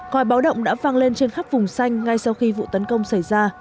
khỏi báo động đã văng lên trên khắp vùng xanh ngay sau khi vụ tấn công xảy ra